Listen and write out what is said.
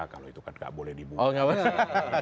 kalau itu kan tidak boleh dibuka